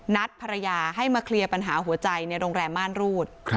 นัดภรรยาให้มาเคลียร์ปัญหาหัวใจในโรงแรมม่านรูด